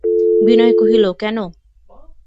বিনয় কহিল, কেন?